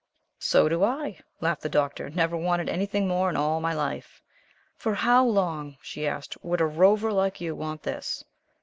"So do I," laughed the Doctor. "Never wanted anything more in all my life." "For how long," she asked, "would a rover like you want this?"